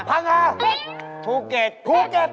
ภูเกต